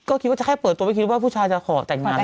ก็คิดว่าจะแค่เปิดตัวไม่คิดว่าผู้ชายจะขอแต่งงาน